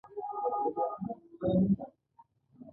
زموږ په ټوله کورنۍ کې بد سړی نه شته!